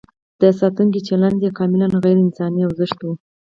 د ساتونکو چلند یې کاملاً غیر انساني او زشت و.